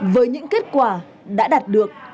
với những kết quả đã đạt được